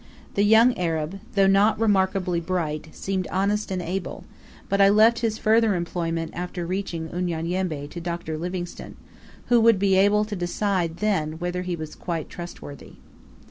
The young Arab, though not remarkably bright, seemed honest and able, but I left his further employment after reaching Unyanyembe to Dr. Livingstone, who would be able to decide then whether he was quite trustworthy.